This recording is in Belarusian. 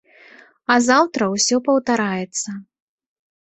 А заўтра ўсё паўтараецца.